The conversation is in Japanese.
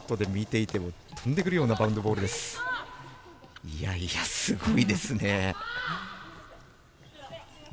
いやいや、すごいですね。